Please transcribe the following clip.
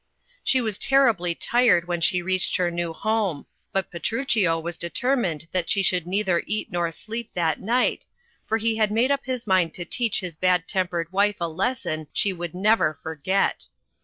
She was terribly tired when she reached her new home, but Pet ruchio was determined that she should neither eat nor sleep that night, for he had made up his mind to teach his bad tempered wife a lesson she would never forget.